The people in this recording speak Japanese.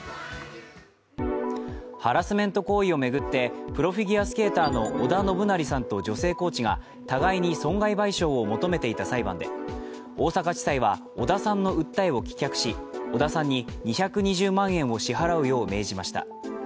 ハラスメント行為を巡ってプロフィギュアスケーターの織田信成さんと女性コーチが互いに損害賠償を求めていた裁判で、大阪地裁は織田さんの訴えを棄却し、織田さんに２２０万円を支払うよう命じました。